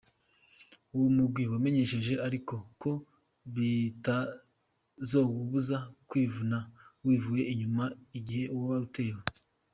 Uwo mugwi wamenyesheje ariko ko bitazowubuza "kwivuna wivuye inyuma" igihe woba utewe.